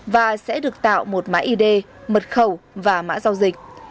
và sẽ được tạo một mã id mật khẩu và mã giao dịch